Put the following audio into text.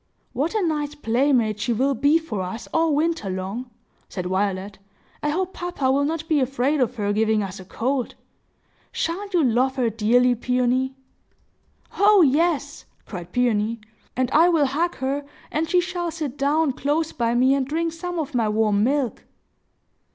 "What a nice playmate she will be for us, all winter long!" said Violet. "I hope papa will not be afraid of her giving us a cold! Sha'n't you love her dearly, Peony?" "Oh yes!" cried Peony. "And I will hug her, and she shall sit down close by me and drink some of my warm milk!"